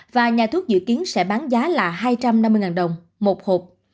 và nhà thuốc dự kiến sẽ bán giá là hai trăm năm mươi đồng một hộp